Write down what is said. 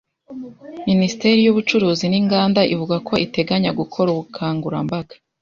Minisiteri y’ubucuruzi n’inganda ivuga ko iteganya gukora ubukangurambaga